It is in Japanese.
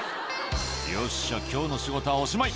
「よっしゃ今日の仕事はおしまい」